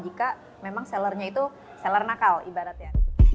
jika memang sellernya itu seller nakal ibaratnya